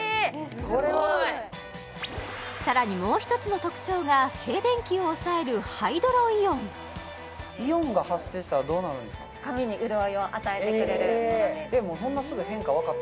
これはさらにもう一つの特徴が静電気を抑えるハイドロイオンイオンが発生したらどうなるんですか？